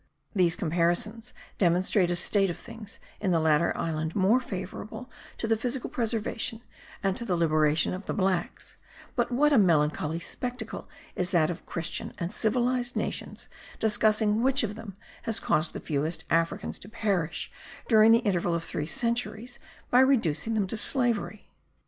These comparisons demonstrate a state of things in the latter island more favorable to the physical preservation, and to the liberation of the blacks; but what a melancholy spectacle is that of Christian and civilized nations, discussing which of them has caused the fewest Africans to perish during the interval of three centuries, by reducing them to slavery!